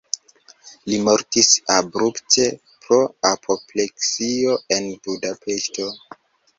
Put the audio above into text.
Li mortis abrupte pro apopleksio en Budapeŝto.